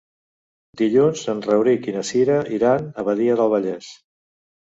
Dilluns en Rauric i na Cira iran a Badia del Vallès.